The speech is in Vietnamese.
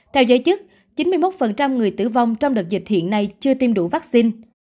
theo giới chức chín mươi một người tử vong trong đợt dịch hiện nay chưa tiêm đủ vaccine